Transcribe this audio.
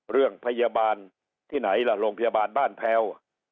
โรงพยาบาลที่ไหนล่ะโรงพยาบาลบ้านแพ้ว